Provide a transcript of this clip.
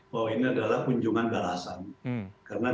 bahwa ini adalah kunjungan balasan